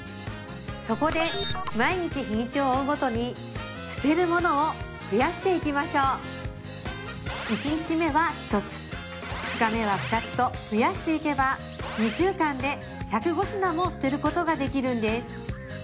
そこで毎日日にちを追うごとに捨てるものを増やしていきましょう１日目は１つ２日目は２つと増やしていけば２週間で１０５品も捨てることができるんです